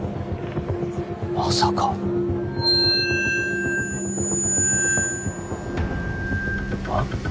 まさかあっ？